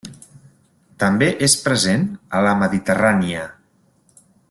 També és present a la Mediterrània.